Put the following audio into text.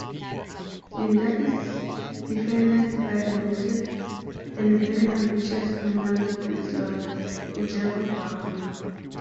Linda is defended by the noted and very ambitious criminal defense lawyer Ruggero Barone.